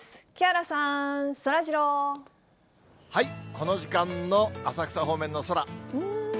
この時間の浅草方面の空。